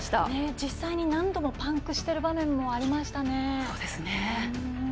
実際に何度もパンクしている場面もありました。